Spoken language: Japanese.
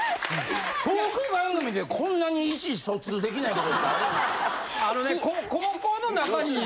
トーク番組でこんなに意思疎通できないことってあるんですか？